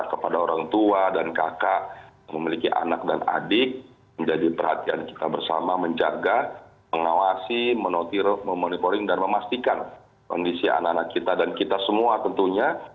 kepada orang tua dan kakak yang memiliki anak dan adik menjadi perhatian kita bersama menjaga mengawasi memonitoring dan memastikan kondisi anak anak kita dan kita semua tentunya